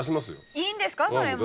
いいんですかそれも。